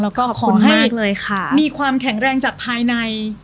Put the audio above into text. แล้วก็ขอให้มีความแข็งแรงจากภายใน